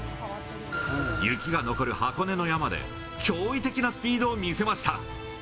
雪が残る箱根の山で、驚異的なスピードを見せました。